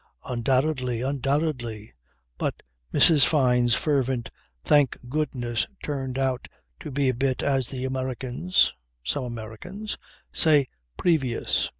Undoubtedly, undoubtedly! But Mrs. Fyne's fervent "thank goodness" turned out to be a bit, as the Americans some Americans say "previous."